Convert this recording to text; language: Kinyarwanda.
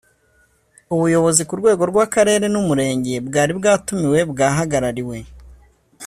ubuyobozi ku rwego rw’akarere n’umurenge bwari bwatumiwe bwahagarariwe